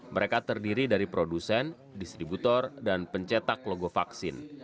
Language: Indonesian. mereka terdiri dari produsen distributor dan pencetak logo vaksin